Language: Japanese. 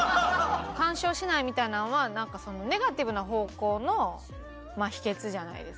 「干渉しない」みたいなんはなんかネガティブな方向の秘訣じゃないですか。